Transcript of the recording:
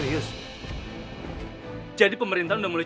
berikanlah petunjuk ya allah